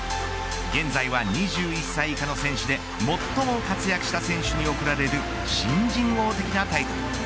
現在は２１歳以下の選手で最も活躍した選手に送られる新人王的なタイトル。